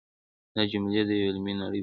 دا جملې د یوې علمي نړۍ بنسټ دی.